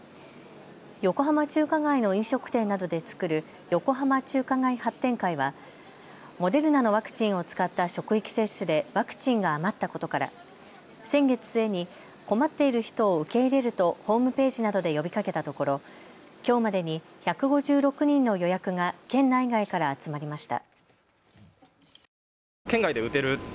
横浜中華街の飲食店などで作る横浜中華街発展会はモデルナのワクチンを使った職域接種でワクチンが余ったことから先月末に困っている人を受け入れるとホームページなどで呼びかけたところきょうまでに１５６人の予約が県内外から集まりました。